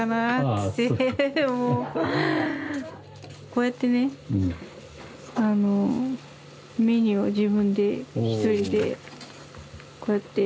こうやってねメニューを自分でひとりでこうやって。